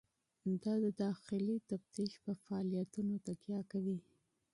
دا د داخلي تفتیش په فعالیتونو تکیه کوي.